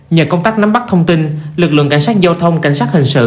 nhờ công tác nắm bắt thông tin lực lượng cảnh sát giao thông cảnh sát hình sự